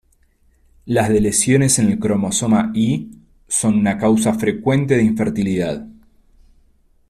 Las deleciones en el cromosoma Y son una causa frecuente de infertilidad.